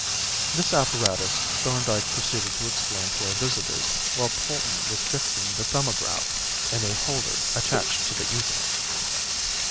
This apparatus Thorndyke proceeded to explain to our visitors while Polton was fixing the "Thumbograph" in a holder attached to the easel.